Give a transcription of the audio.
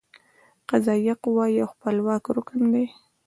قضائیه قوه یو خپلواکه رکن دی.